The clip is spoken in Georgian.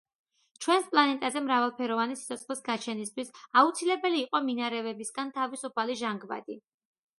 ჩვენს პლანეტაზე მრავალფეროვანი სიცოცხლის გაჩენისთვის აუცილებელი იყო მინარევებისგან თავისუფალი ჟანგბადი.